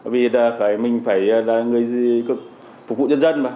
vì mình phải là người phục vụ dân dân mà